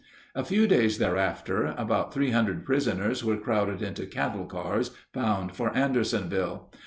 A few days thereafter about three hundred prisoners were crowded into cattle cars bound for Andersonville.